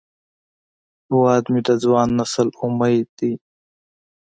هیواد مې د ځوان نسل امید دی